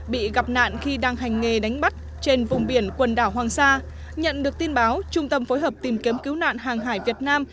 trong ngày đánh bắt trên vùng biển quần đảo hoàng sa nhận được tin báo trung tâm phối hợp tìm kiếm cứu nạn hàng hải việt nam